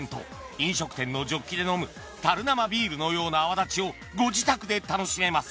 飲食店のジョッキで飲む樽生ビールのような泡立ちをご自宅で楽しめます